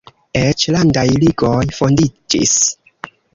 Eĉ landaj ligoj fondiĝis.